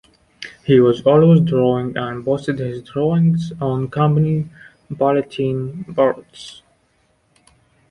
He was always drawing, and posted his drawings on company bulletin boards.